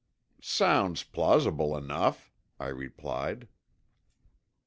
"Sounds plausible enough," I replied.